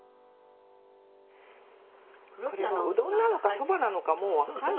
うどんなのかそばなのかもう分かんない。